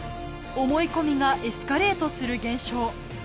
思い込みがエスカレートする現象。